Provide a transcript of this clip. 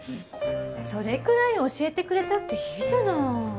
それくらい教えてくれたっていいじゃない。